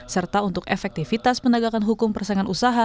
serta untuk efektivitas penegakan hukum persaingan usaha